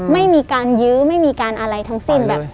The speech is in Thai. ไม่มีการยื้อไม่มีการอะไรทั้งสิ้นแบบ